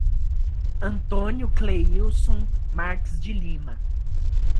Antônio Cleilson Marques de Lima